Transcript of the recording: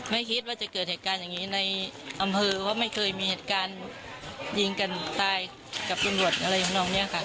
มีเหตุการณ์ยิงกันตายกับตำรวจอะไรของน้องเนี่ยค่ะ